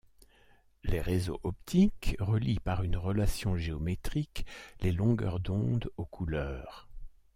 Les réseaux optiques relient, par une relation géométrique, les longueurs d'onde aux couleurs.